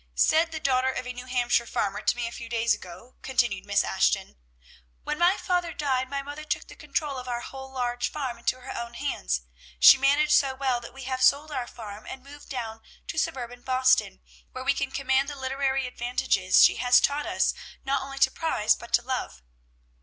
'" "Said the daughter of a New Hampshire farmer to me a few days ago," continued Miss Ashton, "'When my father died my mother took the control of our whole large farm into her own hands. She managed so well that we have sold our farm and moved down to suburban Boston, where we can command the literary advantages she has taught us not only to prize but to love.'